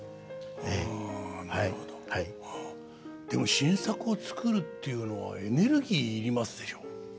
でも新作を作るっていうのはエネルギーいりますでしょ？